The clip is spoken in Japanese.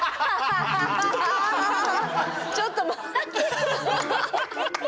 ちょっと待って！